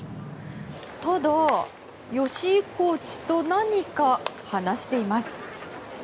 ただ、吉井コーチと何か話しています。